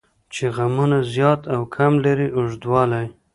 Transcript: چې غمونه زیات او کم لري اوږدوالی.